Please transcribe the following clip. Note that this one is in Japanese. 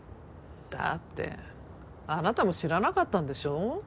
だってあなたも知らなかったんでしょ？